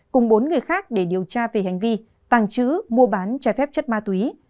cùng bốn người khác để điều tra về hành vi tàng trữ mua bán trái phép chất ma túy